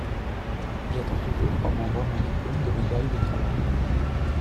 J'attends toujours qu'on m'envoie mon diplôme de médaille du travail.